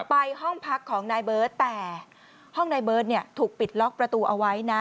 ไปห้องพักของนายเบิร์ตแต่ห้องนายเบิร์ตถูกปิดล็อกประตูเอาไว้นะ